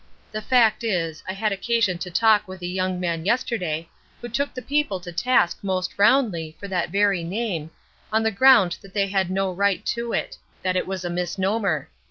The fact is, I had occasion to talk with a young man yesterday who took the people to task most roundly for that very name, on the ground that they had no right to it that it was a misnomer.